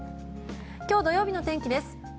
今日土曜日の天気です。